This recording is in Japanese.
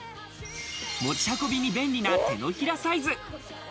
持ち運びに便利な手のひらサイズ。